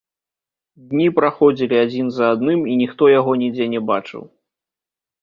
Дні праходзілі адзін за адным, і ніхто яго нідзе не бачыў.